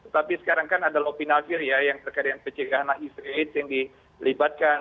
tapi sekarang kan ada lopinavir ya yang terkait dengan pencegahan hiv yang dilibatkan